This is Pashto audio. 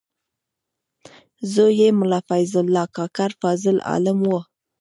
زوی یې ملا فیض الله کاکړ فاضل عالم و.